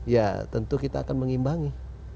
ya tentu kita akan mengimbangi